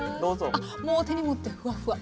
あっもう手に持ってふわふわ。